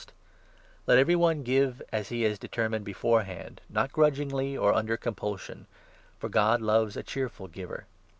Let 7 the collection, every one give as he has determined beforehand, not grudgingly or under compulsion ; for God loves ' a cheerful giver.'